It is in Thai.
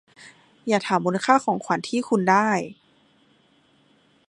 อย่าถามมูลค่าของขวัญที่คุณได้